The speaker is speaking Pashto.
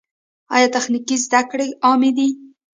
آیا تخنیکي زده کړې عامې دي؟